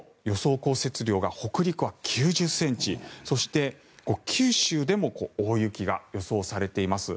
降雪量が北陸は９０ｃｍそして、九州でも大雪が予想されています。